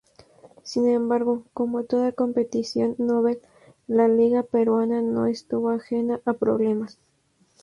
Sin embargo, como toda competición novel, la Liga peruana no estuvo ajena a problemas.